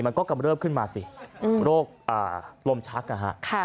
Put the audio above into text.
มันก็กำเลิฟขึ้นมาสิโรคอ่าลมชักอ่าฮะค่ะ